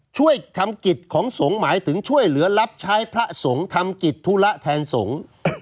ช่วยทำกิจของสงฆ์หมายถึงช่วยเหลือรับใช้พระสงฆ์ทำกิจธุระแทนสงฆ์